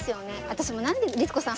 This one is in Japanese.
私もうなんで律子さん